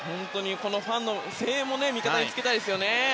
ファンの声援も味方につけたいですね。